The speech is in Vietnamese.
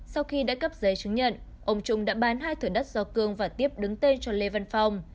sau khi đã cấp giấy chứng nhận ông trung đã bán hai thửa đất do cương và tiếp đứng tên cho lê văn phong